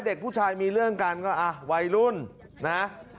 เด็กผู้ชายมีเรื่องกันก็อ่ะวัยรุ่นนะ